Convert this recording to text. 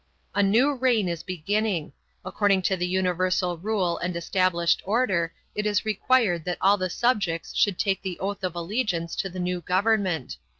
A new reign is beginning. According to the universal rule and established order it is required that all the subjects should take the oath of allegiance to the new government.